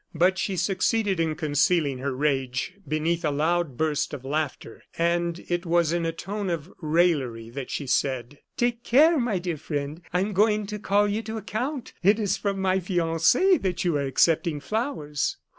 But she succeeded in concealing her rage beneath a loud burst of laughter; and it was in a tone of raillery that she said: "Take care, my dear friend; I am going to call you to account. It is from my fiance that you are accepting flowers."